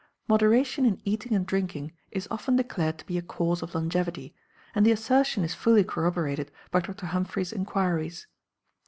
Moderation in eating and drinking is often declared to be a cause of longevity, and the assertion is fully corroborated by Dr. Humphry's inquiries.